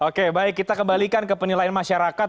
oke baik kita kembalikan ke penilaian masyarakat